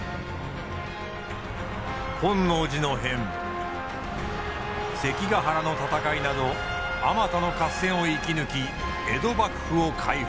本能寺の変関ヶ原の戦いなどあまたの合戦を生き抜き江戸幕府を開府。